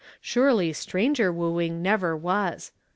Surely stranger wooing never was.